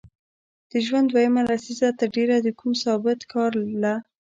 د ژوند دویمه لسیزه تر ډېره د کوم ثابت کار له